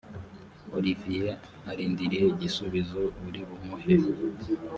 oliviye arindiriye igisubizo uri bumuhe